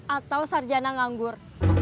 atau sarjana nganggur